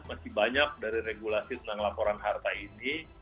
masih banyak dari regulasi tentang laporan harta ini